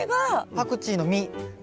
パクチーの実。